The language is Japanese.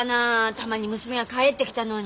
たまに娘が帰ってきたのに。